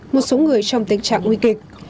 một số người trong tình trạng nguy kịch